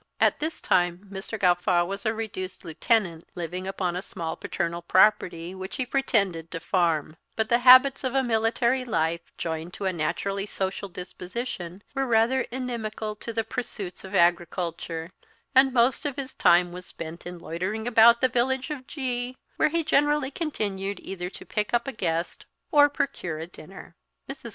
At this time Mr. Gawffaw was a reduced lieutenant, living upon a small paternal property, which he pretended to farm; but the habits of a military life, joined to a naturally social disposition, were rather inimical to the pursuits of agriculture, and most of his time was spent in loitering about the village of G , where he generally continued either to pick up a guest or procure a dinner. Mrs.